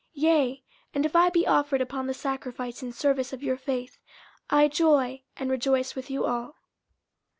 50:002:017 Yea, and if I be offered upon the sacrifice and service of your faith, I joy, and rejoice with you all.